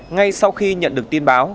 ngay sau khi nhận được tin báo